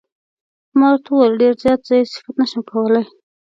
ما ورته وویل: ډېر زیات، زه یې صفت نه شم کولای.